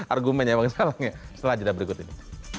argumen yang memang salah setelah jadwal berikut ini